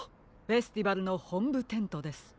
フェスティバルのほんぶテントです。